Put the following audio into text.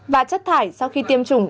và chất thải sau khi tiêm chủng